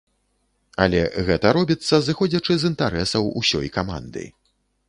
Але гэта робіцца, зыходзячы з інтарэсаў усёй каманды.